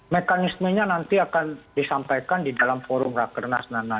mekanismenya nanti akan disampaikan di dalam forum raker nasnana